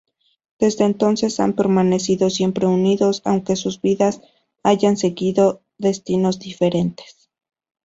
Desde entonces han permanecido siempre unidos aunque sus vidas hayan seguido destinos diferentes.